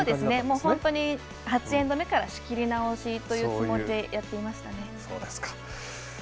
本当に８エンド目から仕切り直しというつもりでやっていましたね。